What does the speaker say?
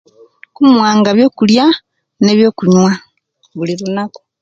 Kumuwanga byokulya nebyokunyuwa bulilunaku